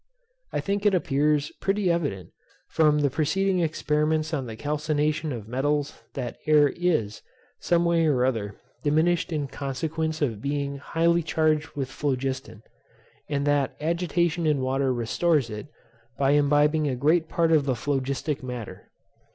I think it appears pretty evident, from the preceding experiments on the calcination of metals that air is, some way or other, diminished in consequence of being highly charged with phlogiston; and that agitation in water restores it, by imbibing a great part of the phlogistic matter.